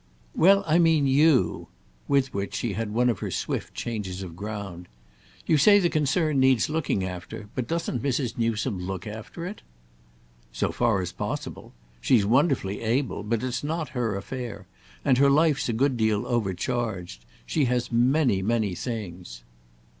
"Well, I mean you." With which she had one of her swift changes of ground. "You say the concern needs looking after; but doesn't Mrs. Newsome look after it?" "So far as possible. She's wonderfully able, but it's not her affair, and her life's a good deal overcharged. She has many, many things."